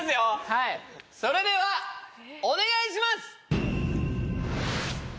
はいそれではお願いします！